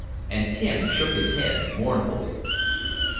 and Tim shook his head mournfully.